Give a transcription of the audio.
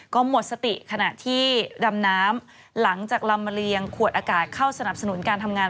ก็หมดสติขณะที่ดำน้ำหลังจากลำเลียงขวดอากาศเข้าสนับสนุนการทำงาน